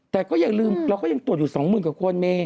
แต่ก็อย่าลืมเราก็ยังตรวจอยู่๒๐๐๐กว่าคนเม